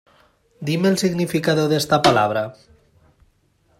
Dime el significado de esta palabra.